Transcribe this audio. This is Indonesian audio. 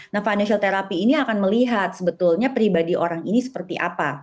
nah financial therapy ini akan melihat sebetulnya pribadi orang ini seperti apa